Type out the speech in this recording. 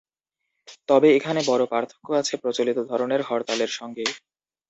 তবে এখানে বড় পার্থক্য আছে প্রচলিত ধরনের হরতালের সঙ্গে।